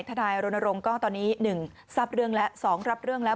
ทนายรณรงค์ก็ตอนนี้๑ทราบเรื่องแล้ว๒รับเรื่องแล้ว